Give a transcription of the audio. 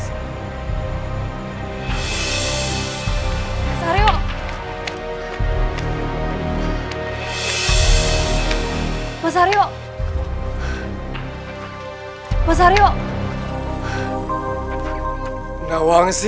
aku sangat merindukanmu nawangsi